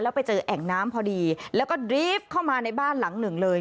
ไปเจอแอ่งน้ำพอดีแล้วก็ดรีฟเข้ามาในบ้านหลังหนึ่งเลย